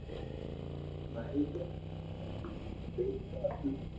ماري ٻآن ني ھيک ديديو ھتي